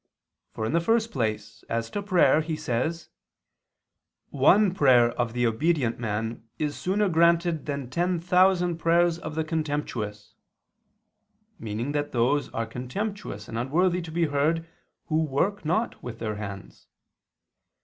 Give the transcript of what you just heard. For in the first place, as to prayer, he says: "One prayer of the obedient man is sooner granted than ten thousand prayers of the contemptuous": meaning that those are contemptuous and unworthy to be heard who work not with their hands.